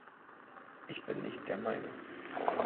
Ich bin nicht der Meinung.